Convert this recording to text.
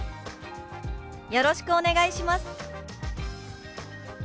「よろしくお願いします」。